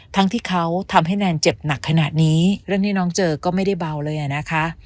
ทั้งที่เขาทำให้แนนเจ็บหนักขนาดนี้เรื่องที่น้องเจอก็ไม่ได้เบาเลยอะนะคะ